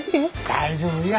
大丈夫や。